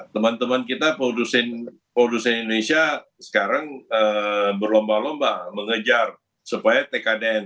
teman teman kita produsen indonesia sekarang berlomba lomba mengejar supaya tkdn